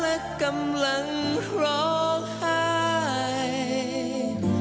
และกำลังร้องไห้